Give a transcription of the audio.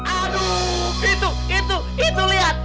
aduh itu itu itu liat